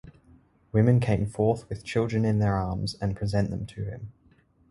Women came forth with children in their arms and present them to him.